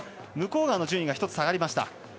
向川の順位が１つ下がりました。